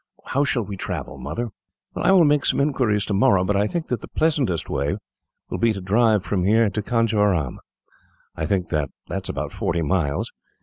"How shall we travel, Mother?" "I will make some inquiries tomorrow, but I think that the pleasantest way will be to drive from here to Conjeveram. I think that is about forty miles.